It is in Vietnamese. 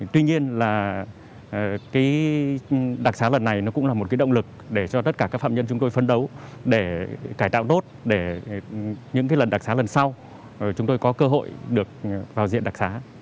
tuy nhiên là cái đặc xá lần này nó cũng là một cái động lực để cho tất cả các phạm nhân chúng tôi phấn đấu để cải tạo tốt để những lần đặc xá lần sau chúng tôi có cơ hội được vào diện đặc xá